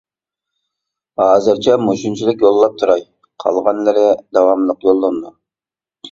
ھازىرچە مۇشۇنچىلىك يوللاپ تۇراي، قالغانلىرى داۋاملىق يوللىنىدۇ.